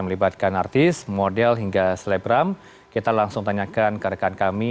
melibatkan artis model hingga selebgram kita langsung tanyakan ke rekan kami